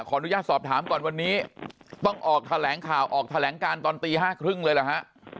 อนุญาตสอบถามก่อนวันนี้ต้องออกแถลงข่าวออกแถลงการตอนตี๕๓๐เลยเหรอฮะ